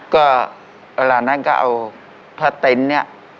ก็เวลานั้นก็เอาพระเต็นต์เนี่ย